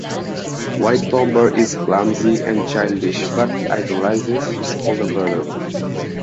White Bomber is clumsy and childish, but idolizes his older brother.